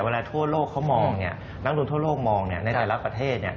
เวลาทั่วโลกเขามองแล้วระดูกทั่วโลกมองในแต่ละประเทศ